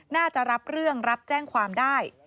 น่าจะรับเรื่องรับแจ้งความได้